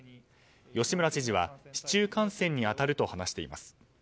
吉村知事は市中感染に当たると話しています。